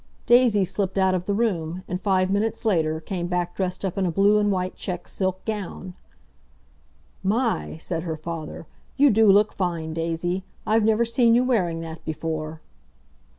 Daisy slipped out of the room, and, five minutes later, came back dressed up in a blue and white check silk gown. "My!" said her father. "You do look fine, Daisy. I've never seen you wearing that before."